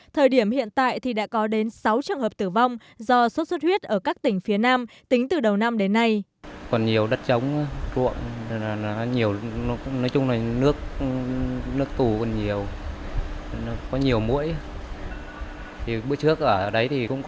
thời điểm hiện tại thì đã có đến sáu trường hợp tử vong do sốt xuất huyết ở các tỉnh phía nam tính từ đầu năm đến nay